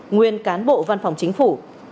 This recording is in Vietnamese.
nguyên cán bộ văn phòng chính phủ